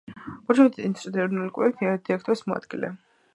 კურჩატოვის ინსტიტუტის ეროვნული კვლევითი ცენტრის დირექტორის მოადგილე.